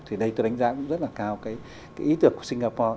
thì đây tôi đánh giá cũng rất là cao cái ý tưởng của singapore